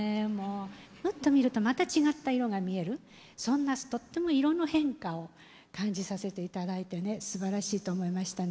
ふっと見るとまた違った色が見えるそんなとっても色の変化を感じさせていただいてねすばらしいと思いましたね。